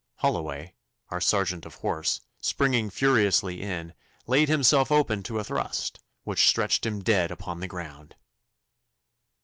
Holloway, our sergeant of horse, springing furiously in, laid himself open to a thrust which stretched him dead upon the ground.